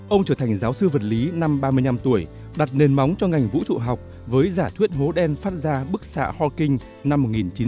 ông trở thành giáo sư vật lý năm ba mươi năm tuổi đặt nền móng cho ngành vũ trụ học với giả thuyết hố đen phát ra bức xạ hawking năm một nghìn chín trăm bảy mươi